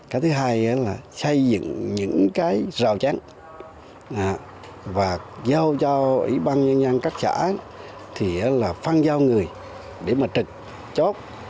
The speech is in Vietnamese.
cái thứ hai là xây dựng những rào chắn và giao cho ủy ban nhân dân các xã phân giao người để trực chốt